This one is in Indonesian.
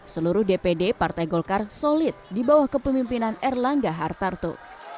seluruh dpd partai golkar solid di bawah kepemimpinan erlangga hartarto